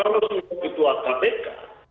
kalau teguran ketua kpk